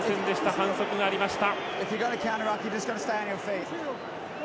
反則がありました。